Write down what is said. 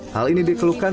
hal ini dikeluhkan